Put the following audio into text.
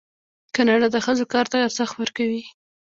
کاناډا د ښځو کار ته ارزښت ورکوي.